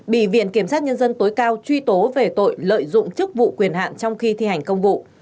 bị viện kiểm sát nhân dân tối cao truy tố về tội lợi dụng chức vụ quyền hạn trong khi thi hành công vụ